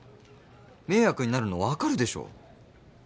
迷惑になるのわかるでしょ。